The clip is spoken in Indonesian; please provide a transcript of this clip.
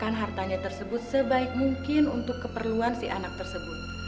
dan menggunakan hartanya tersebut sebaik mungkin untuk keperluan si anak tersebut